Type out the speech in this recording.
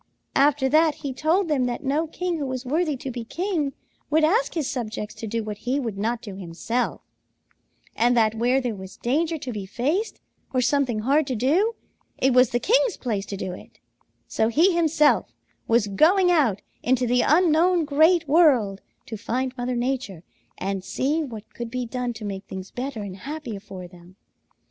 "After that, he told them that no king who was worthy to be king would ask his subjects to do what he would not do himself, and that where there was danger to be faced or something hard to do, it was the king's place to do it, so he himself was going out into the unknown Great World to find Mother Nature and see what could be done to make things better and happier for them.